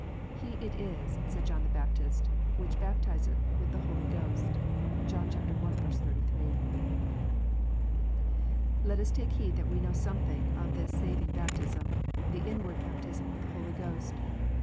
"He it is," said John the Baptist, "which baptizetli with the Holy Ghost." (John i. 33.) Let us take heed that we know something of this saving baptism, the inward baptism of the Holy Ghost.